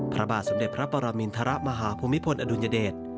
พระบาทสมเด็จพระปรมินทรมาฮภูมิพลอดุลยเดช